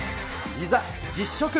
いざ、実食。